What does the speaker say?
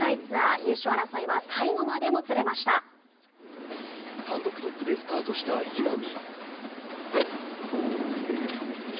優勝争いは単独トップでスタートした稲見。